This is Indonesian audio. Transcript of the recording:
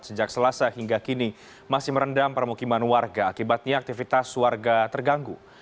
sejak selasa hingga kini masih merendam permukiman warga akibatnya aktivitas warga terganggu